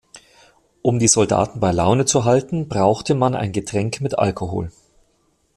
Um die Soldaten bei Laune zu halten, brauchte man ein Getränk mit Alkohol.